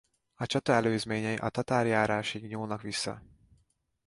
A csata előzményei a tatárjárásig nyúlnak vissza.